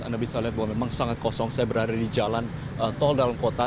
anda bisa lihat bahwa memang sangat kosong saya berada di jalan tol dalam kota